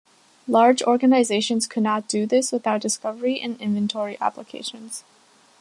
Large organisations could not do this without discovery and inventory applications.